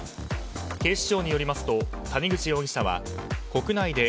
警視庁によりますと谷口容疑者は国内で